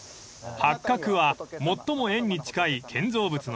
［八角は最も円に近い建造物の形］